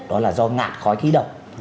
đó là do ngạt khói khí độc